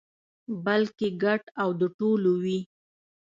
بلکې ګډ او د ټولو وي.